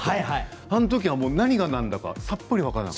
あのときは何がなんだかさっぱり分からない。